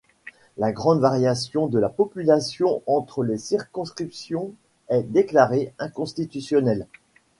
La grande variation de la population entre les circonscriptions est déclarée inconstitutionelle.